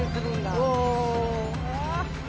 お！